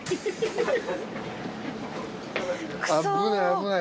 危ない危ない。